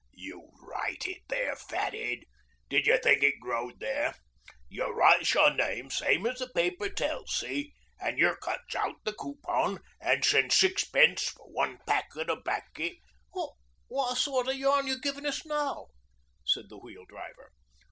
'You write it there, fat'ead. Didjer think it growed there? You writes your name same as the paper tells, see; an' you cuts out the coo pon an' you sends sixpence for one packet o' 'baccy. ...' 'Wot sorter yarn you givin' us now?' said the Wheel Driver.